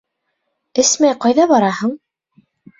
Эсмәй ҡайҙа бараһың?